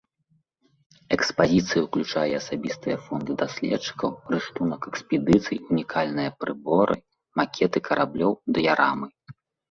Экспазіцыя ўключае асабістыя фонды даследчыкаў, рыштунак экспедыцый, унікальныя прыборы, макеты караблёў, дыярамы.